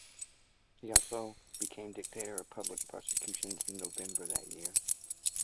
He also became Director of Public Prosecutions in November that year.